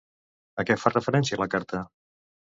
A què fa referència la carta?